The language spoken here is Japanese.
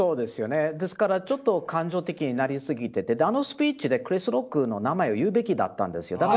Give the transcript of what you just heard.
ちょっと感情的になりすぎててあのスピーチでクリス・ロックの名前を言うべきだったんですよ。